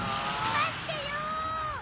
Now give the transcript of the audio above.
まってよ！